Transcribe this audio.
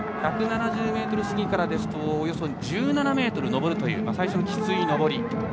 １７０ｍ過ぎからですとおよそ１７ｍ上るという最初のきつい上り。